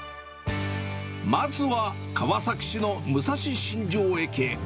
まずは川崎市の武蔵新城駅へ。